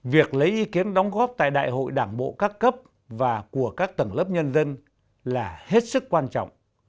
việc lấy ý kiến đóng góp tại đại hội đảng bộ các cấp và của các tầng lớp nhân dân là hết sức quan trọng